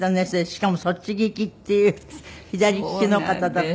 しかもそっち利きっていう左利きの方だと。